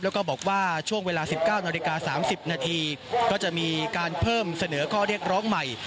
แล้วก็บอกว่าช่วงเวลา๑๙นาฬิกา๓๐นาทีก็จะมีการเพิ่มเสนอข้อเรียกร้องใหม่